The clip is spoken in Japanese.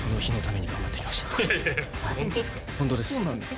本当ですか？